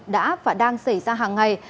đã và đang xảy ra hàng ngày